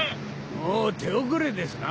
もう手遅れですな。